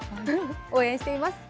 応援しています。